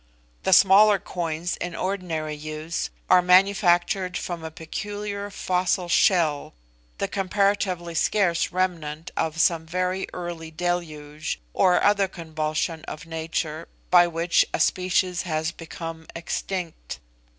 The smaller coins in ordinary use are manufactured from a peculiar fossil shell, the comparatively scarce remnant of some very early deluge, or other convulsion of nature, by which a species has become extinct.